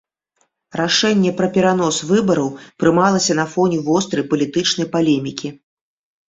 Рашэнне пра перанос выбараў прымалася на фоне вострай палітычнай палемікі.